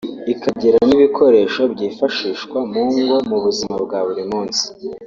ikagira n’ibikoresho byifashishwa mu ngo mu buzima bwa buri munsi